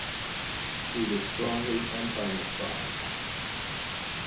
He was strongly Anti-Masonic.